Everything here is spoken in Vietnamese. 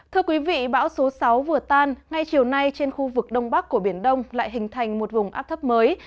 thưa quý vị bão số sáu vừa tan ngay chiều nay trên khu vực đông bắc của biển đông lại hình thành một vùng áp thấp mới